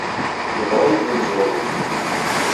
Yeɣra-iyi-d umezraw-nnek.